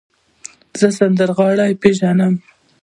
زه سندرغاړی پیژنم.